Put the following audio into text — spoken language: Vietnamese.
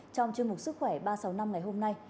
trong chương mục sức khỏe ba trăm sáu mươi năm ngày hôm nay